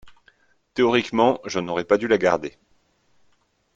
Théoriquement, je n’aurais pas dû la garder.